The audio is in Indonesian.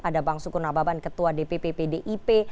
ada bang sukun nababan ketua dpp pdip